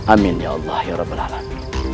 amin ya allah ya rabbal alam